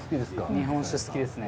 日本酒好きですね。